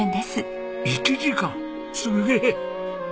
すげえ。